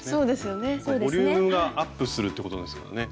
ボリュームがアップするってことなんですかね